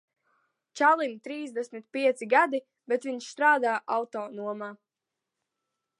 Čalim trīsdesmit pieci gadi, bet viņš strādā autonomā.